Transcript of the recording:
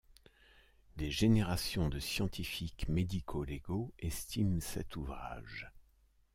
Des générations de scientifiques médico-légaux estiment cet ouvrage.